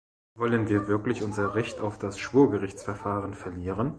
Wollen wir wirklich unser Recht auf das Schwurgerichtsverfahren verlieren?